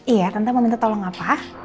iya tante mau minta tolong apa